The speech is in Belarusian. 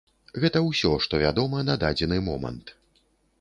Гэта ўсё, што вядома на дадзены момант.